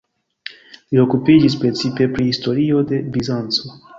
Li okupiĝis precipe pri historio de Bizanco.